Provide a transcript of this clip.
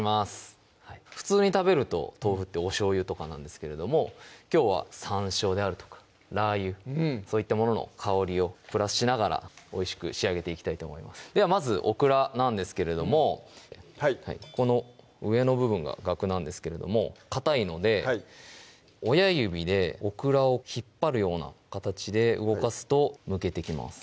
普通に食べると豆腐っておしょうゆとかなんですけれどもきょうはさんしょうであるとかラー油そういったものの香りをプラスしながらおいしく仕上げていきたいと思いますではまずオクラなんですけれどもこの上の部分ががくなんですけれどもかたいので親指でオクラを引っ張るような形で動かすとむけてきます